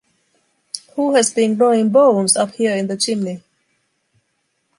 Who has been gnawing bones up here in the chimney?